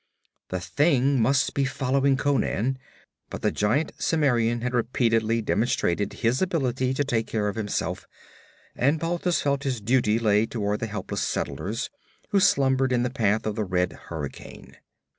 The thing must be following Conan. But the giant Cimmerian had repeatedly demonstrated his ability to take care of himself, and Balthus felt his duty lay toward the helpless settlers who slumbered in the path of the red hurricane.